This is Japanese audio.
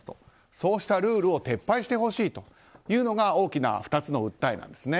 そうしたルールを撤廃してほしいというのが大きな２つの訴えなんですね。